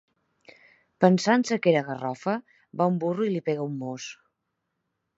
Pensant-se que era garrofa, va un burro i li pega un mos.